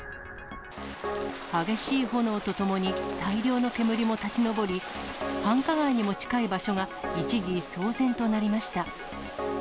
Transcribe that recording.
激しい炎とともに、大量の煙も立ち上り、繁華街にも近い場所が一時騒然となりました。